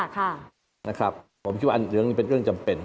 ผมคิดว่าอันเหลืองนี้เป็นเรื่องจำเป็น